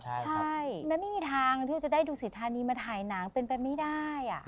ใช่มันไม่มีทางที่เราจะได้ดูสิทธานีมาถ่ายหนังเป็นไปไม่ได้